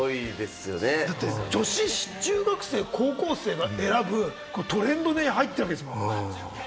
女子中学生・高校生が選ぶトレンドに入ってるわけですもんね。